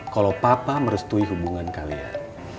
kalau papa merestui hubungan kalian